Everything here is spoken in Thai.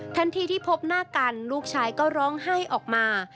ทันทีที่พบหน้ากันลูกชายก็ร้องไห้ออกมา